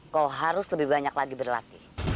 kau harus lebih banyak lagi berlatih